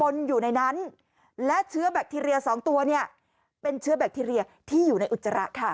อยู่ในนั้นและเชื้อแบคทีเรีย๒ตัวเนี่ยเป็นเชื้อแบคทีเรียที่อยู่ในอุจจาระค่ะ